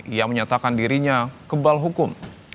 ia menyatakan dirinya kebal hukum